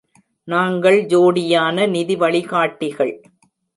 நாங்கள் ஜோடியான நிதி வழிகாட்டிகள்.